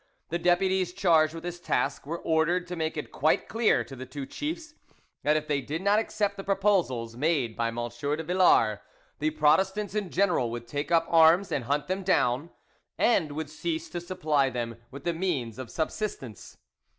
The deputies charged with this task were ordered to make it quite clear to the two chiefs that if they did not accept the proposals made by M. de Villars, the Protestants in general would take up arms and hunt them down, and would cease to supply them with the means of subsistence.